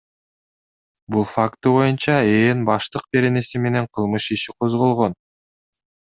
Бул факты боюнча Ээн баштык беренеси менен кылмыш иши козголгон.